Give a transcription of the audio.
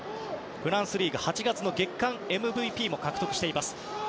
フランスリーグで８月の月間ＭＶＰも獲得しています。